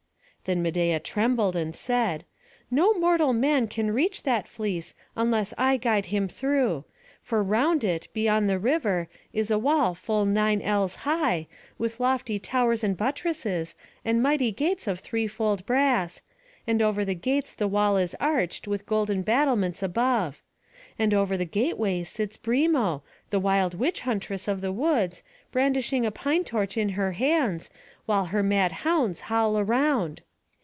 Then Medeia trembled, and said: "No mortal man can reach that fleece, unless I guide him through. For round it, beyond the river, is a wall full nine ells high, with lofty towers and buttresses, and mighty gates of threefold brass; and over the gates the wall is arched, with golden battlements above. And over the gateway sits Brimo, the wild witch huntress of the woods, brandishing a pine torch in her hands, while her mad hounds howl around.